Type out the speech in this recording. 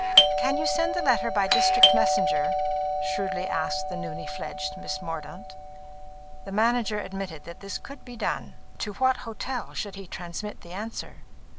"Can you send the letter by district messenger?" shrewdly asked the newly fledged Miss Mordaunt. The manager admitted that this could be done. To what hotel should he transmit the answer?